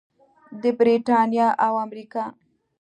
د بریتانیا او امریکا.